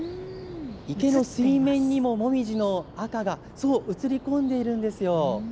池の水面にもモミジの赤が映り込んでいるんですよ。